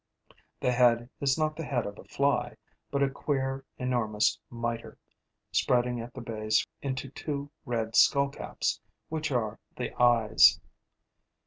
The head is not the head of a fly, but a queer, enormous mitre, spreading at the base into two red skull caps, which are the eyes.